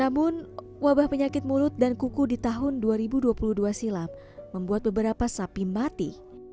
namun wabah penyakit mulut dan kuku di tahun dua ribu dua puluh dua silam membuat beberapa sapi mati